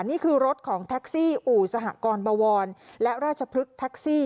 นี่คือรถของแท็กซี่อู่สหกรบวรและราชพฤกษ์แท็กซี่